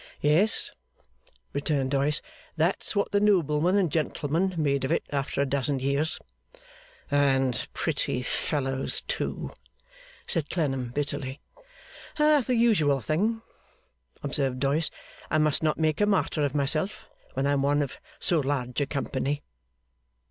'Yes,' returned Doyce, 'that's what the noblemen and gentlemen made of it after a dozen years.' 'And pretty fellows too!' said Clennam, bitterly. 'The usual thing!' observed Doyce. 'I must not make a martyr of myself, when I am one of so large a company.